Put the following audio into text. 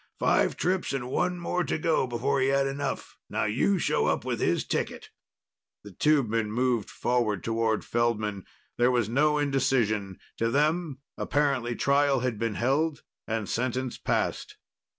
Five trips and one more to go before he had enough. Now you show up with his ticket!" The tubemen moved forward toward Feldman. There was no indecision. To them, apparently, trial had been held and sentence passed.